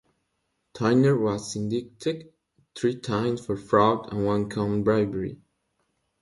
Tyner was indicted three times for fraud and one count bribery.